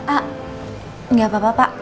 ah nggak apa apa pak